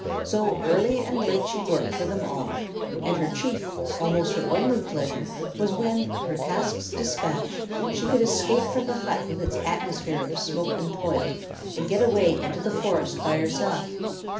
So early and late she worked for them all, and her chief, almost her only pleasure was when, her tasks despatched, she could escape from the hut with its atmosphere of smoke and toil, and get away into the forest by herself.